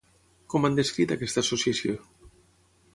Com han descrit aquesta associació?